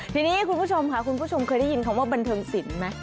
ทีนี้คุณผู้ชมค่ะคุณผู้ชมเคยได้ยินคำว่าบันเทิงศิลป์ไหม